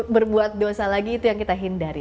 berbuat dosa lagi itu yang kita hindari